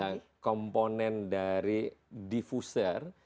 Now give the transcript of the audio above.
mungkin komponen dari diffuser